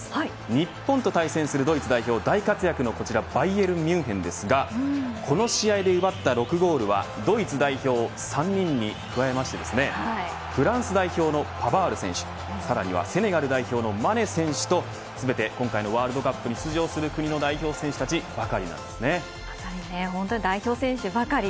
日本と対戦するドイツ代表のバイエルン・ミュンヘンですがこの試合で奪った６ゴールはドイツ代表３人に加えましてフランス代表のパヴァール選手さらにはセネガル代表のマネ選手と今回のワールドカップに出場する国の代表選手たち代表選手ばかり。